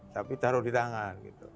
tapi taruh di tangan